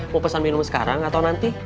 mau pesan minum sekarang atau nanti